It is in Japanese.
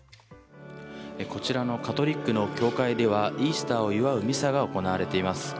こちらのカトリックの教会ではイースターを祝うミサが行われています。